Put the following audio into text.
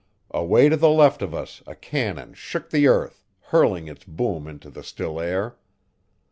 Away to the left of us a cannon shook the earth, hurling its boom into the still air.